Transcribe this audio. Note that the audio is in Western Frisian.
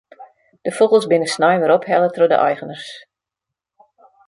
De fûgels binne snein wer ophelle troch de eigeners.